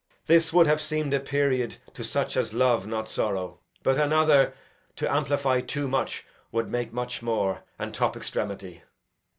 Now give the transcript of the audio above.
Edg. This would have seem'd a period To such as love not sorrow; but another, To amplify too much, would make much more, And top extremity.